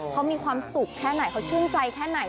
เขามีความสุขแค่ไหนเขาชื่นใจแค่ไหน